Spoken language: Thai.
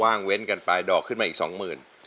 งเว้นกันไปดอกขึ้นมาอีกสองหมื่น